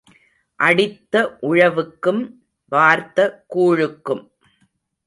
அடித்த உழவுக்கும் வார்த்த கூழுக்கும்.